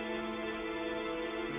ya yaudah kamu jangan gerak deh ya